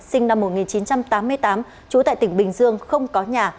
sinh năm một nghìn chín trăm tám mươi tám trú tại tỉnh bình dương không có nhà